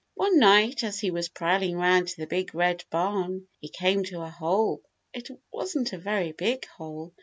One night as he was prowling around the Big Red Barn he came to a hole. It wasn't a very big hole.